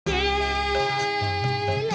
aku juga ingin pergi ke sana